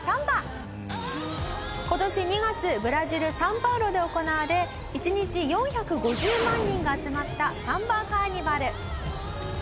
今年２月ブラジルサンパウロで行われ１日４５０万人が集まったサンバカーニバル。